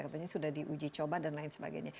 katanya sudah diuji coba dan lain sebagainya